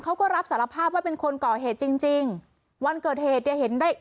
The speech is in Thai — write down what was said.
เขาก็รับสารภาพว่าเป็นคนก่อเหตุจริงจริงวันเกิดเหตุเนี่ยเห็นได้